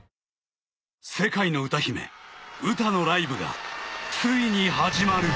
［世界の歌姫ウタのライブがついに始まる！］